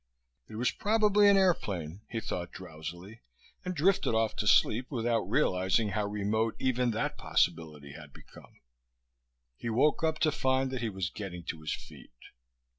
It was probably an airplane, he thought drowsily, and drifted off to sleep without realizing how remote even that possibility had become.... He woke up to find that he was getting to his feet.